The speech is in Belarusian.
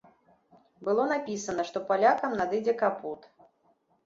Было напісана, што палякам надыдзе капут.